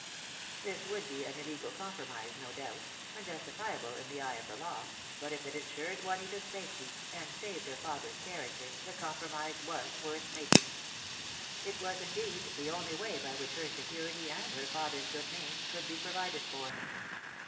This would be an illegal com promise, no doubt — unjustifiable in the eye of the law — but if it ensured Juanita's safety, and saved her father's character, the compromise was worth making. It was, in deed, the only way by which her security and her father's good name could be provided for.